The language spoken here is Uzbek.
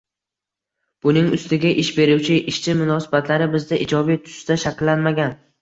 Buning ustiga, ish beruvchi-ishchi munosabatlari bizda ijobiy tusda shakllanmagan